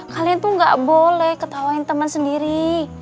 kalian tuh gak boleh ketawain teman sendiri